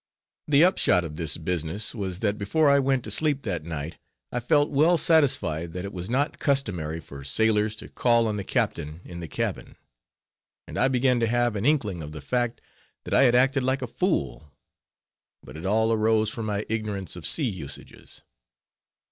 The upshot of this business was, that before I went to sleep that night, I felt well satisfied that it was not customary for sailors to call on the captain in the cabin; and I began to have an inkling of the fact, that I had acted like a fool; but it all arose from my ignorance of sea usages.